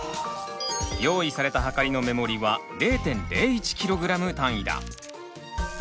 用意されたはかりの目盛りは０．０１キログラム単位だ。